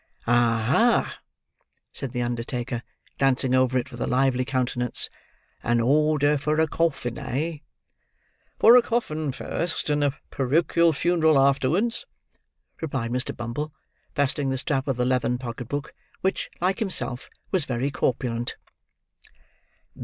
"Aha!" said the undertaker, glancing over it with a lively countenance; "an order for a coffin, eh?" "For a coffin first, and a porochial funeral afterwards," replied Mr. Bumble, fastening the strap of the leathern pocket book: which, like himself, was very corpulent.